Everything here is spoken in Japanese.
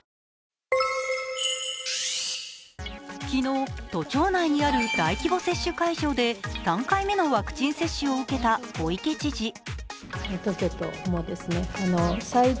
昨日、都庁内にある大規模接種会場で３回目のワクチン接種を受けた小池知事。